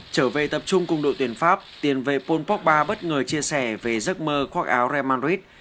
trở về tập trung cùng đội tuyển pháp tiền về pol pok ba bất ngờ chia sẻ về giấc mơ khoác áo real madrid